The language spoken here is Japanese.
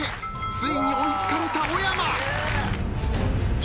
ついに追い付かれた小山。